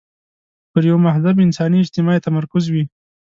پر یوه مهذب انساني اجتماع یې تمرکز وي.